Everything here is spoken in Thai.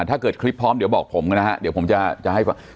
ถ้าเกิดคลิปพร้อมเดี๋ยวบอกผมกันนะฮะเดี๋ยวผมจะให้ฟัง